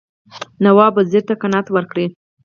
نواب وزیر ته قناعت ورکړي.